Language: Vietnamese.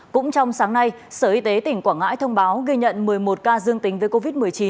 cũng trong sáng nay sở y tế tỉnh quảng ngãi thông báo ghi nhận một mươi một ca dương tính với covid một mươi chín